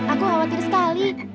aku khawatir sekali